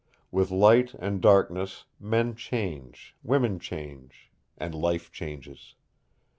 With light and darkness men change, women change, and life changes.